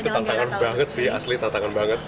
itu tantangan banget sih asli tantangan banget